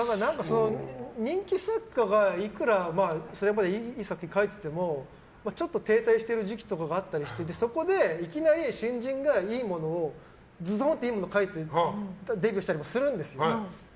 人気作家がいくら、いい作品を書いててもちょっと停滞してる時期とかがあったりして、そこでいきなり新人がズドンといいものを書いてデビューしたりもするんです。